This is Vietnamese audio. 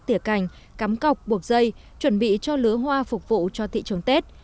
tỉa cành cắm cọc buộc dây chuẩn bị cho lứa hoa phục vụ cho thị trường tết